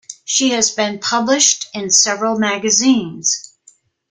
She has been published in several magazines.